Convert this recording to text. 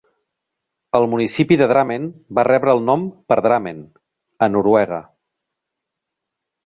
El municipi de Drammen va rebre el nom per Drammen, a Noruega.